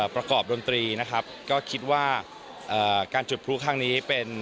ประกอบดนตรีนะครับก็คิดว่าการจุดพลูกข้างนี้